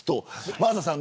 真麻さん